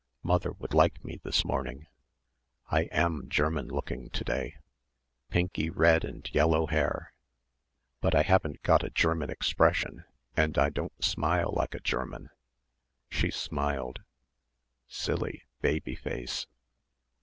Mother would like me this morning. I am German looking to day, pinky red and yellow hair. But I haven't got a German expression and I don't smile like a German.... She smiled.... Silly, baby face!